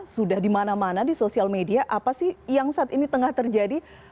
sudah dimana mana di sosial media apa sih yang saat ini tengah terjadi